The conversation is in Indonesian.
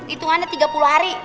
hitungannya tiga puluh hari